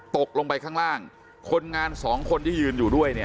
ตกลงไปข้างล่างคนงานสองคนที่ยืนอยู่ด้วยเนี่ย